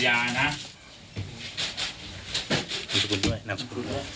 สิ่งที่คุณควรจะอายตั้งนานคุณไม่อายนั่งลง